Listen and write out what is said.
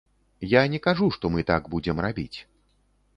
Я не кажу, што мы так будзем рабіць.